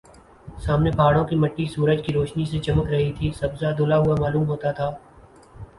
سامنے پہاڑوں کی مٹی سورج کی روشنی سے چمک رہی تھی سبزہ دھلا ہوا معلوم ہوتا تھا